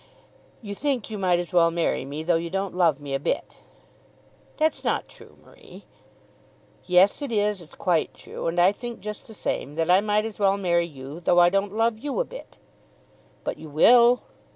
You think you might as well marry me, though you don't love me a bit." "That's not true, Marie." "Yes it is; it's quite true. And I think just the same, that I might as well marry you, though I don't love you a bit." "But you will."